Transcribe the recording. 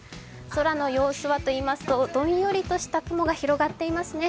空の様子はといいますとどんよりとした雲が広がっていますね。